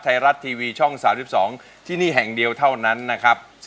ไทยรัฐทีวีช่อง๓๒ที่นี่แห่งเดียวเท่านั้นนะครับ